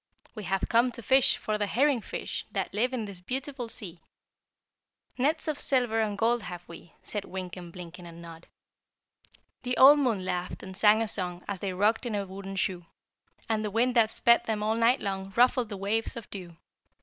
"We have come to fish for the herring fish That live in this beautiful sea. Nets of silver and gold have we," Said Wynken, Blynken, And Nod. The old Moon laughed and sang a song As they rocked in the wooden shoe, And the wind that sped them all night long Ruffled the waves of dew.